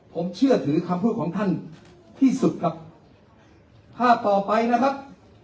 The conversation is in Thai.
ผมเชื่อถือคำพูดของท่านที่สุดครับภาพต่อไปนะครับ